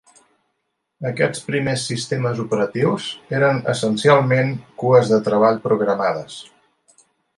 Aquests primers sistemes operatius eren essencialment cues de treball programades.